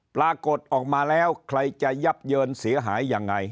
ปรากฏออกมาแล้วใครจะยับเยินเสียหายยังไง